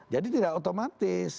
jadi tidak otomatis